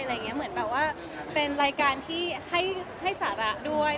อะไรอย่างเงี้ยเมื่อแบบว่าเป็นรายการที่ให้ให้สาระด้วย